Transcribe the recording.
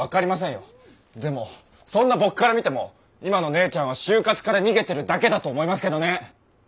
でもそんな僕から見ても今の姉ちゃんは就活から逃げてるだけだと思いますけどね！